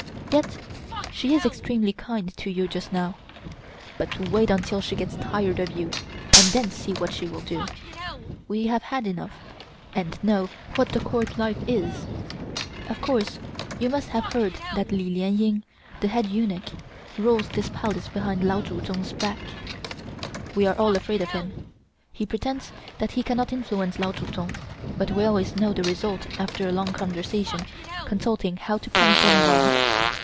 Yes, she is extremely kind to you just now, but wait until she gets tired of you and then see what she will do. We have had enough, and know what the Court life is. Of course you must have heard that Li Lien Ying (the head eunuch) rules this Palace behind Lao Tsu Tsung's back. We are all afraid of him. He pretends that he cannot influence Lao Tsu Tsung, but we always know the result after a long conversation consulting how to punish anyone.